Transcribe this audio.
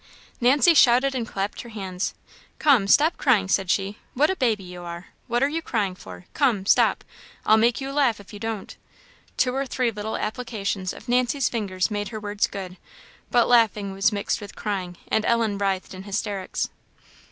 Nancy shouted and clapped her hands. "Come, stop crying!" said she; "what a baby you are! what are you crying for? come, stop! I'll make you laugh if you don't." Two or three little applications of Nancy's fingers made her words good, but laughing was mixed with crying, and Ellen writhed in hysterics.